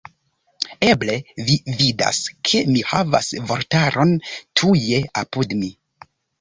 Eble vi vidas, ke mi havas vortaron tuje apud mi.